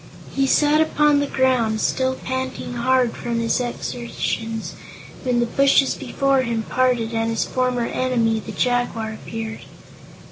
He sat upon the ground, still panting hard from his exertions, when the bushes before him parted and his former enemy, the Jaguar, appeared.